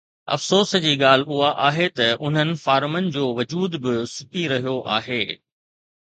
افسوس جي ڳالهه اها آهي ته انهن فارمن جو وجود به سڪي رهيو آهي.